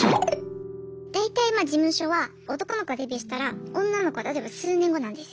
大体事務所は男の子がデビューしたら女の子例えば数年後なんですよ。